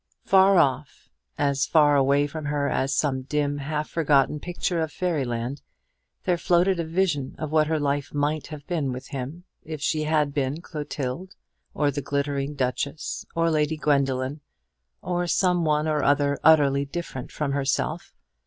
Far off as far away from her as some dim half forgotten picture of fairy land there floated a vision of what her life might have been with him, if she had been Clotilde, or the glittering Duchess, or Lady Gwendoline, or some one or other utterly different from herself.